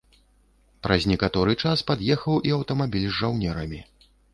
Праз некаторы час пад'ехаў і аўтамабіль з жаўнерамі.